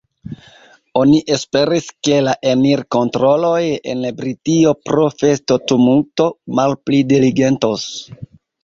Oni esperis, ke la enir-kontroloj en Britio pro festo-tumulto malpli diligentos.